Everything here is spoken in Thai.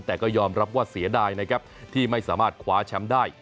แต่ก็ยอมรับว่าเสียดายนะครับที่ไม่สามารถคว้าแชมป์ได้